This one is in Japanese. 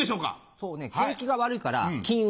そうね景気が悪いから金運。